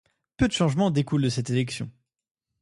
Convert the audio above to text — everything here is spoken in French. Peu de changement découle de cette élection.